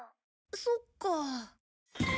そっかあ。